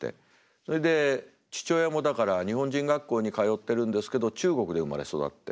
それで父親もだから日本人学校に通ってるんですけど中国で生まれ育ってんですよね。